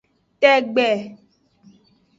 Tegbe.